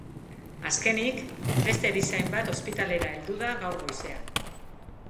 Azkenik, beste erizain bat ospitalera heldu da gaur goizean.